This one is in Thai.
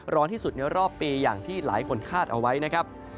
ร้อนที่สุดในรอบปีอย่างที่หลายคนคาดเอาไว้นะครับ